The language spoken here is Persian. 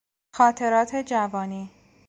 خاطرات جوانی